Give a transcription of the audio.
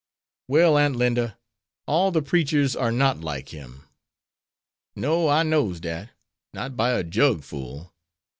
"Well, Aunt Linda, all the preachers are not like him." "No; I knows dat; not by a jug full.